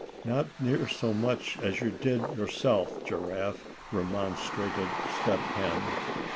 "Not near so much as you did yourself, Giraffe," remonstrated Step Hen.